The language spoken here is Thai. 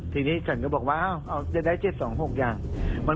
ทีนี้ฉันก็บอกว่าอ้าวเอาจะได้เจ็ดสองหกอย่างมัน